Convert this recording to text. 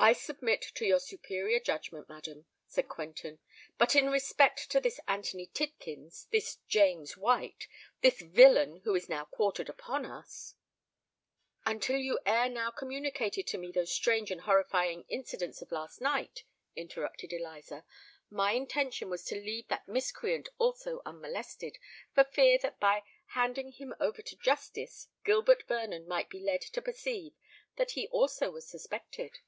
"I submit to your superior judgment, madam," said Quentin. "But in respect to this Anthony Tidkins—this James White—this villain who is now quartered upon us——" "Until you ere now communicated to me those strange and horrifying incidents of last night," interrupted Eliza, "my intention was to leave that miscreant also unmolested, for fear that by handing him over to justice Gilbert Vernon might be led to perceive that he also was suspected.